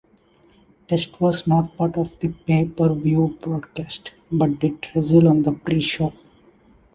Test was not part of the pay-per-view broadcast but did wrestle on the pre-show.